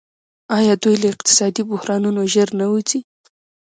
آیا دوی له اقتصادي بحرانونو ژر نه وځي؟